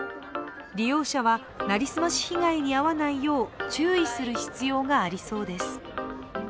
利用者は成り済まし被害に遭わないよう注意する必要がありそうです。